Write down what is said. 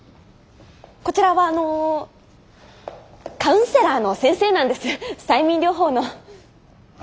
こちらはあのーカウンセラーの先生なんです催眠療法の。は？